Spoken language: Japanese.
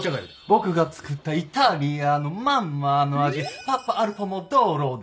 僕が作ったイタリアのマンマの味パッパアルポモドーロでしょ？